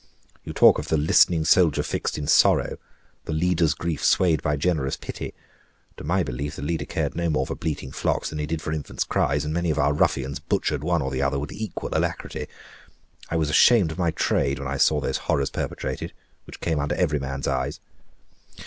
You talk of the 'listening soldier fixed in sorrow,' the 'leader's grief swayed by generous pity;' to my belief the leader cared no more for bleating flocks than he did for infants' cries, and many of our ruffians butchered one or the other with equal alacrity. I was ashamed of my trade when I saw those horrors perpetrated, which came under every man's eyes.